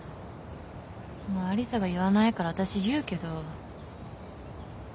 もうアリサが言わないから私言うけど。